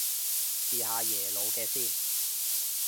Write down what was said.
試下耶魯嘅先